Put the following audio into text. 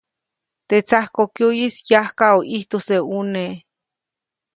Teʼ tsajkokyuʼyis yajkaʼu ʼijtujse ʼuneʼ.